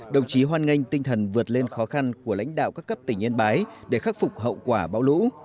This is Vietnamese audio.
đồng chí hoan nghênh tinh thần vượt lên khó khăn của lãnh đạo các cấp tỉnh yên bái để khắc phục hậu quả bão lũ